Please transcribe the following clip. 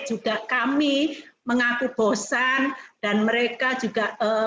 juga kami mengaku bosan dan mereka juga